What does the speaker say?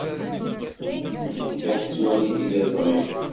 Tezga tettwali tiliẓri.